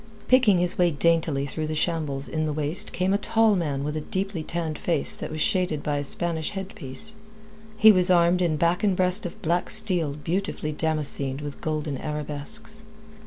Picking his way daintily through that shambles in the waist came a tall man with a deeply tanned face that was shaded by a Spanish headpiece. He was armed in back and breast of black steel beautifully damascened with golden arabesques.